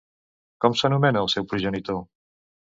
Com s'anomenà el seu progenitor?